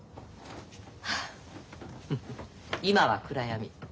フフッ今は暗闇。